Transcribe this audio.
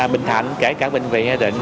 bình thạnh kể cả bệnh viện